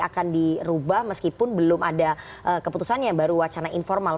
akan dirubah meskipun belum ada keputusannya baru wacana informal